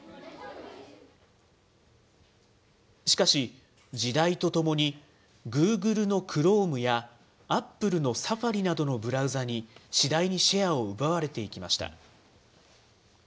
しかし、時代とともにグーグルのクロームや、アップルのサファリなどのブラウザーに、次第にシェアを奪われていきました。